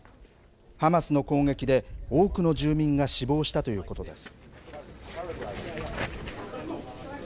ハマスの攻撃で、多くの住民が死亡したということです。